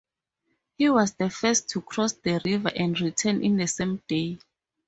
He was the first to cross the river and return in the same day.